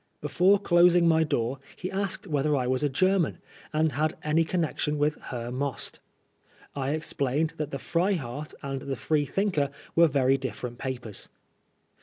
Before closing my door, he asked whether I was a Grerman, and had any con nection with Herr Most. I explained that the Freiheit and the Freethinker were very different papers.